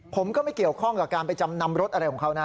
ผมก็ไม่เกี่ยวข้องกับการไปจำนำรถอะไรของเขานะ